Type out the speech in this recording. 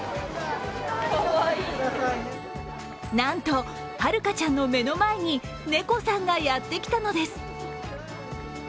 なんと、はるかちゃんの目の前にねこさんがやってきたのです。